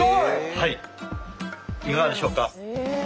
いかがでしょうか？